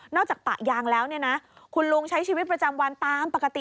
จากปะยางแล้วเนี่ยนะคุณลุงใช้ชีวิตประจำวันตามปกติ